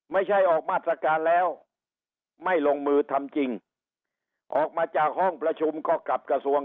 ไม่ใช่ออกมาตรการแล้วไม่ลงมือทำจริงออกมาจากห้องประชุมก็กลับกระทรวง